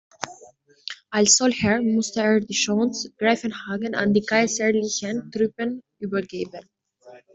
Als solcher musste er die Schanze Greifenhagen an die kaiserlichen Truppen übergeben.